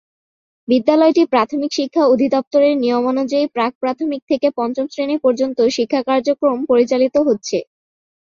বিদ্যালয়টি প্রাথমিক শিক্ষা অধিদপ্তরের নিয়মানুযায়ী প্রাক-প্রাথমিক থেকে পঞ্চম শ্রেণি পর্যন্ত শিক্ষা কার্যক্রম পরিচালিত হচ্ছে।